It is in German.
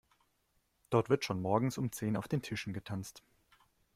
Dort wird schon morgens um zehn auf den Tischen getanzt.